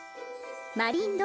マリン堂